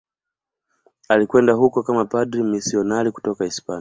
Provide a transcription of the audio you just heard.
Alikwenda huko kama padri mmisionari kutoka Hispania.